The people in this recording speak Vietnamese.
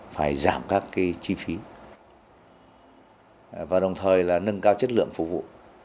phải giảm các chi phí và đồng thời là nâng cao chất lượng phục vụ